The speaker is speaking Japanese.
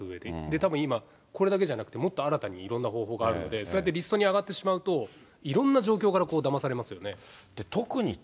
たぶん今、これだけじゃなくてもっと新たにいろんな方法があるので、こうやってリストに上がってしまうと、いろんな状況からだまされますよね。